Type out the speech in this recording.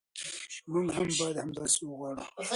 موږ هم باید همداسې وغواړو.